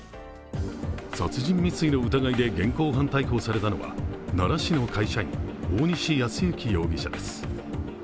殺人未遂の疑いで現行犯逮捕されたのは奈良市の会社員、大西康介容疑者です。